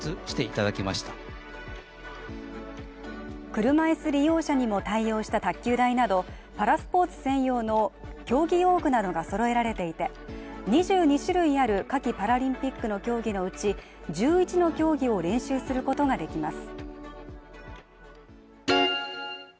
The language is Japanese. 車椅子利用者にも対応した卓球台などパラスポーツ専用の競技用具などがそろえられていて２２種類ある夏季パラリンピックの競技のうち１１の競技を練習することができます。